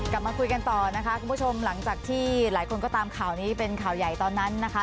กลับมาคุยกันต่อนะคะคุณผู้ชมหลังจากที่หลายคนก็ตามข่าวนี้เป็นข่าวใหญ่ตอนนั้นนะคะ